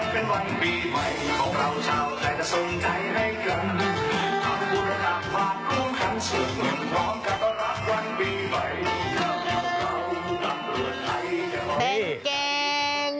เป็นเกง